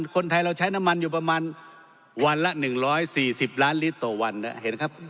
คนไทยเราใช้น้ำมันอยู่ประมาณวันละหนึ่งร้อยสี่สิบล้านลิตรต่อวันนะเห็นครับ